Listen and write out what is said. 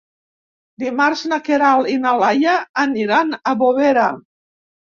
Dimarts na Queralt i na Laia aniran a Bovera.